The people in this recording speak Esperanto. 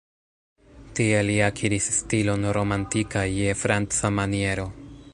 Tie li akiris stilon romantika je franca maniero.